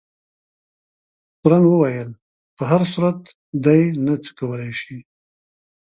تورن وویل په هر صورت دی نه څه کولای شي.